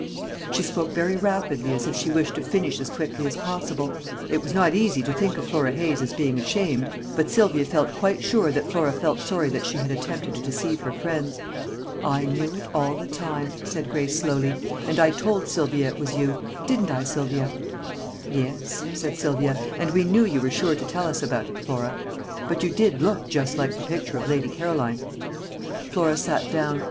She spoke very rapidly as if she wished to finish as quickly as possible. It was not easy to think of Flora Hayes as being ashamed, but Sylvia felt quite sure that Flora felt sorry that she had attempted to deceive her friends. "I knew it all the time," said Grace slowly, "and I told Sylvia it was you; didn't I, Sylvia?" "Yes," said Sylvia, "and we knew you were sure to tell us about it, Flora. But you did look just like the picture of Lady Caroline." Flora sat down.